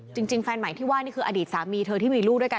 จริงแฟนใหม่ที่ว่านี่คืออดีตสามีเธอที่มีลูกด้วยกัน